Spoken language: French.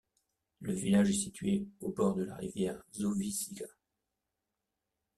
Le village est situé au bord de la rivière Zovičica.